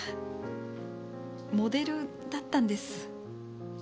モデルだったんです。